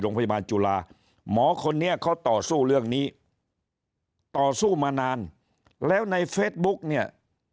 โรงพยาบาลจุฬาหมอคนนี้เขาต่อสู้เรื่องนี้ต่อสู้มานานแล้วในเฟซบุ๊กเนี่ย